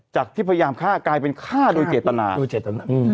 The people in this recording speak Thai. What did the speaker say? จากที่พยายามฆ่ากลายเป็นฆ่าโดยเจตนาโดยเจตนา